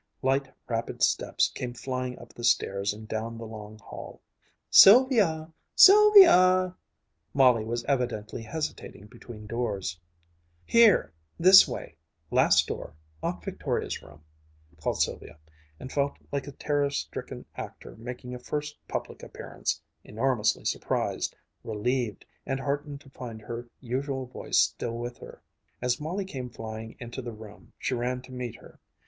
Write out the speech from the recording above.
Light, rapid steps came flying up the stairs and down the long hall. "Sylvia! Sylvia!" Molly was evidently hesitating between doors. "Here this way last door Aunt Victoria's room!" called Sylvia, and felt like a terror stricken actor making a first public appearance, enormously surprised, relieved, and heartened to find her usual voice still with her. As Molly came flying into the room, she ran to meet her.